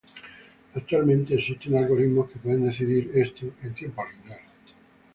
Actualmente existen algoritmos que pueden decidir esto en tiempo lineal.